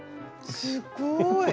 すっごい。